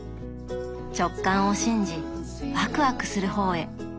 直感を信じワクワクする方へ。